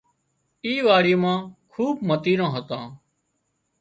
اي واڙِي مان کوٻ متيران هتان